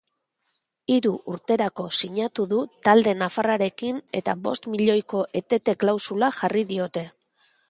Hiru urterako sinatu du talde nafarrarekin eta bost milioiko etete klausula jarri diote.